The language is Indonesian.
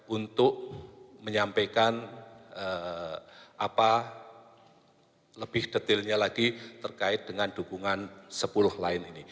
untuk menyampaikan lebih detailnya lagi terkait dengan dukungan sepuluh lain ini